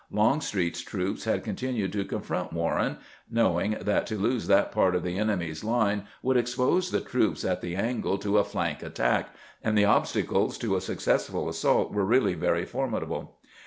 Longstreet's troops had continued to confront "Warren, knowing that to lose that part of the enemy's line would expose the troops at the " angle " to a flank attack, and the obstacles to a successful assault were really very formidable.